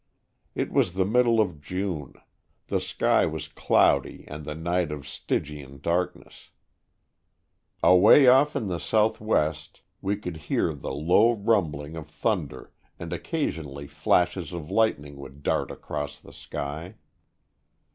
It was the middle of June; the sky was cloudy and the night of Stygian darkness. Away off in the southwest we could hear the low rumbling of 44 Stories from the Adirondack^ thunder and occasionally flashes of lightning would dart across the sky.